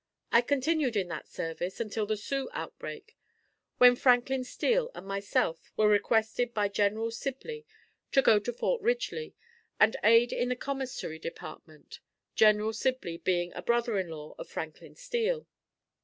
I continued in that service until the Sioux outbreak, when Franklin Steele and myself were requested by General Sibley to go to Fort Ridgely and aid in the commissary department, General Sibley being a brother in law of Franklin Steele.